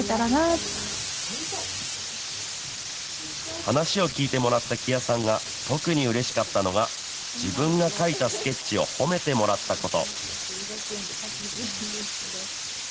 話を聞いてもらった木屋さんが特にうれしかったのが、自分が描いたスケッチを褒めてもらったこと。